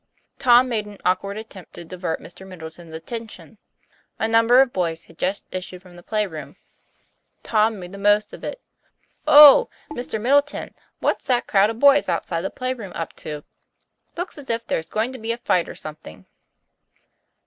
Tom made an awkward attempt to divert Mr. Middleton's attention. A number of boys had just issued from the play room; Tom made the most of it. "Oh! Mr. Middleton, what's that crowd of boys outside the play room up to? Looks as if there's going to be a fight or something."